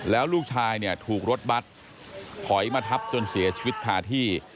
แล้วลูกชายเนี่ยถูกรถบัตรถอยมาทับจนเสียชีวิตคาที่